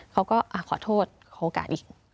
เขาก็ขอโทษขอโอกาสอีก